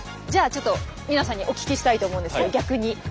じゃあちょっと皆さんにお聞きしたいと思うんですけど逆に。